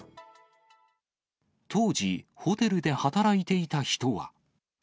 当時、ホテルで働いていた人は。